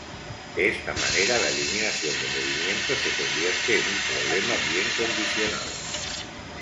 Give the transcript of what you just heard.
De esta manera, la eliminación de movimiento se convierte en un problema bien condicionado.